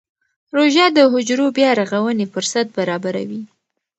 روژه د حجرو بیا رغونې فرصت برابروي.